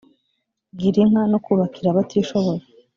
girinka no kubakira abatishoboye